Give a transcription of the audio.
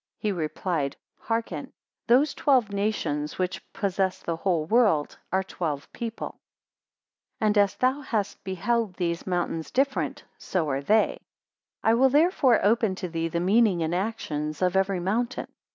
He replied, Hearken. Those twelve nations which possess the whole world, are twelve people. 164 And as thou hast beheld these mountains different, so are they. I will therefore open to thee the meaning and actions of every mountain.